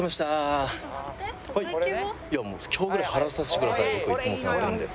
いやもう今日ぐらい払わさせてください僕いつもお世話になってるんで。